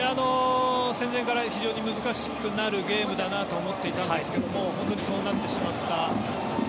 戦前から非常に難しくなるゲームだなと思っていたんですが本当にそうなってしまった。